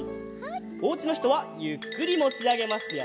おうちのひとはゆっくりもちあげますよ。